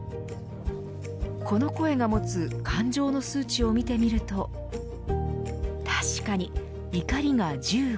この声が持つ感情の数値を見てみると確かに怒りが１５。